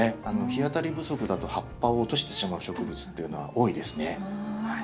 日当たり不足だと葉っぱを落としてしまう植物っていうのは多いですね。